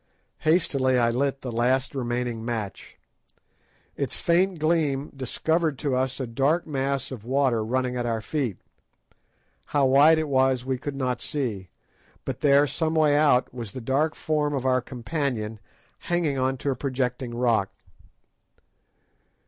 Hastily I lit the last remaining match. Its faint gleam discovered to us a dark mass of water running at our feet. How wide it was we could not see, but there, some way out, was the dark form of our companion hanging on to a projecting rock.